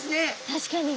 確かに。